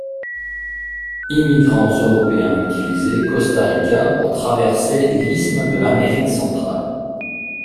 Immigrants européens utilisés Costa Rica pour traverser l'isthme de Amérique centrale.